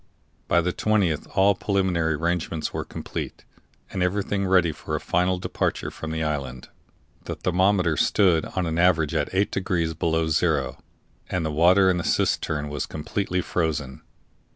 By the 20th all preliminary arrangements were complete, and everything ready for a final departure from the island. The thermometer stood on an average at 8 degrees below zero, and the water in the cistern was completely frozen.